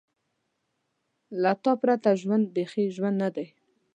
له تا پرته ژوند بېخي ژوند نه دی.